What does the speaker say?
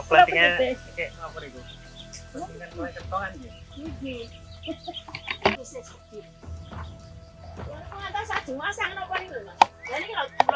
kalau aku nggak tahu saat jumat saya nggak tahu apa ini dulu pak